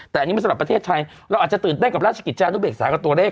แต่อันนี้มันสำหรับประเทศไทยเราอาจจะตื่นเต้นกับราชกิจจานุเบกษากับตัวเลข